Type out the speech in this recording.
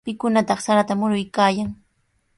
¿Pikunataq sarata muruykaayan?